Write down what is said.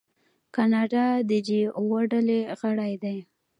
کاناډا د جي اوه ډلې غړی دی.